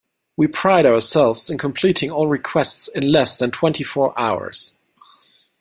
We pride ourselves in completing all requests in less than twenty four hours.